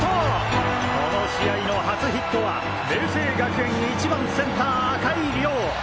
この試合の初ヒットは明青学園１番センター赤井遼！